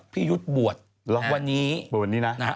ภีรยุทธ์บูดวันนี้หมื่นนี้นะ